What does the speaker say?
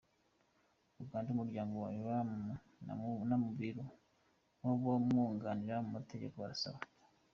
Uganda, umuryango wa Iryn Namubiru nabamwunganira mu mategeko barasaba.